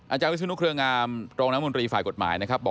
อาจารย์วิศนุเครืองามรองน้ำมนตรีฝ่ายกฎหมายนะครับ